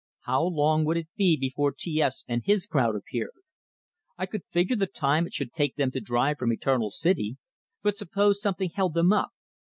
How long would it be before T S and his crowd appeared? I could figure the time it should take them to drive from Eternal City; but suppose something held them up?